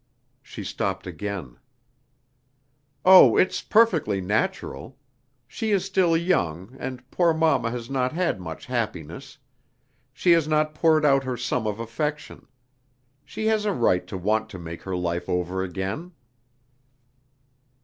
She stopped again: "Oh, it's perfectly natural! She is still young, and poor mama has not had much happiness; she has not poured out her sum of affection. She has a right to want to make her life over again."